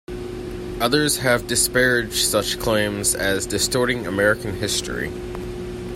Others have disparaged such claims as distorting American history.